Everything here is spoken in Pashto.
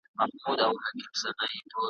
ما يې لاره كړه بدله و بازار ته ,